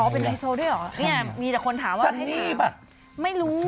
เป็นไฮโซด้วยเหรอเนี่ยมีแต่คนถามว่าไม่รู้